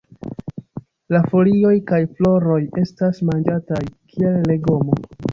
La folioj kaj floroj estas manĝataj kiel legomo.